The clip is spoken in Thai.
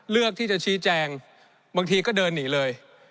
เลือกที่จะชี้แจงบางทีก็เดินหนีเลย